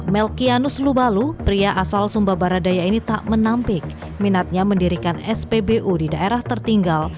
melkianus lubalu pria asal sumba baradaya ini tak menampik minatnya mendirikan spbu di daerah tertinggal